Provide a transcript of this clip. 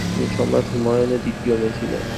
তিনি সম্রাট হুমায়ুনের দ্বিতীয় মেয়ে ছিলেন।